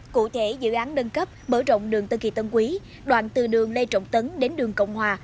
cụ thể dự án nâng cấp mở rộng đường tân kỳ tân quý đoạn từ đường lê trọng tấn đến đường cộng hòa